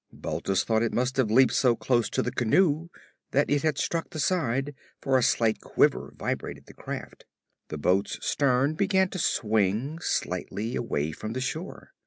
Balthus thought it must have leaped so close to the canoe that it had struck the side, for a slight quiver vibrated the craft. The boat's stern began to swing, slightly away from the shore.